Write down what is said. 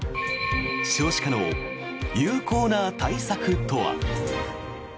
少子化の有効な対策とは。